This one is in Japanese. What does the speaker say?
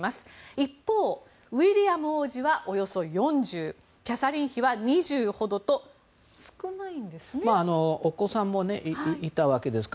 一方、ウィリアム王子はおよそ４０キャサリン妃は２０ほどと少ないんですね。